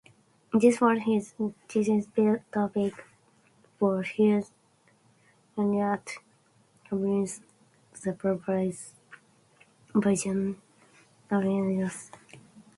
This was his thesis topic for his PhD at Cambridge supervised by John Lennard-Jones.